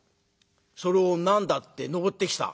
「それを何だって登ってきた？」。